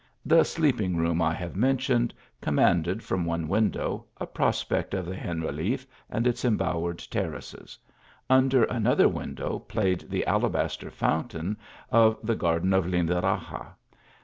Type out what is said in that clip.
The sleeping room I have mentioned, commanded from one window a prospect of the Generaliffe, and its imbowered terraces ; under an other window played the alabaster fountain of the garden of Lindaraxa.